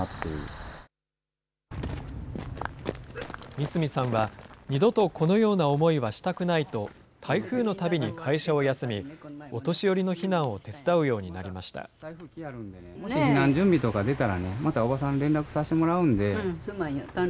三隅さんは、二度とこのような思いはしたくないと、台風のたびに会社を休み、お年寄りの避難を手伝うようになりました。